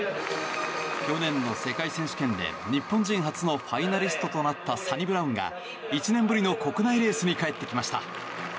去年の世界選手権で日本人初のファイナリストとなったサニブラウンが１年ぶりの国内レースに帰ってきました。